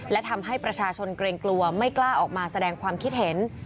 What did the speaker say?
และทำให้ประชาชนเกรงกลัวไม่กล้าออกมาแสดงความคิดเห็น